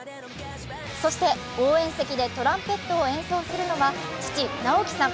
そして応援席でトランペットを演奏するのは父、直樹さん。